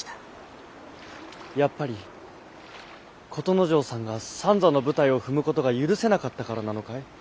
やっぱり琴之丞さんが三座の舞台を踏むことが許せなかったからなのかい？